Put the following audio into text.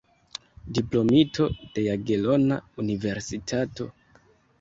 Diplomito de Jagelona Universitato.